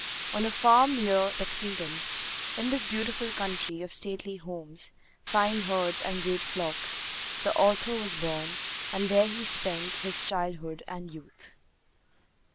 On a farm near Lexington, in this beautiful country of stately homes, fine herds, and great flocks, the author was born, and there he spent his childhood and youth.